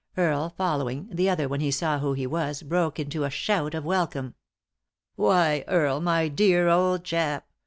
Earle following, the other, when he saw who he was, broke into a shout of welcome. "Why, Earle, my dear old chap!